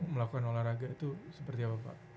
melakukan olahraga itu seperti apa pak